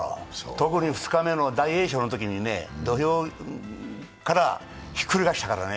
特に２日目の大栄翔のときに土俵からひっくり返したからね。